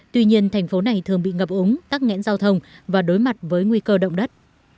tuy nhiên thành phố này thường bị ngập úng tắc nghẽn giao thông và đối mặt với nguy cơ động đất